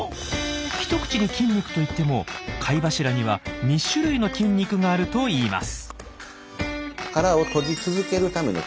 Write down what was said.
一口に筋肉といっても貝柱には２種類の筋肉があるといいます。